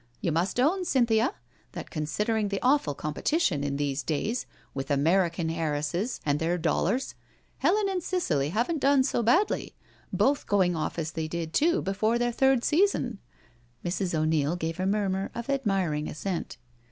You must own^ Cynthia, that con BRACKENHILL HALL 25 sidering the awful competition in these days with American heiresses and their dollars, Helen and Cicely haven't done so badly; both going off as they did too, before their third season. •••" Mrs. 0*Neil gave a murmur of admiring assent.